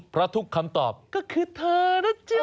เพราะทุกคำตอบก็คือเธอนะจ๊ะ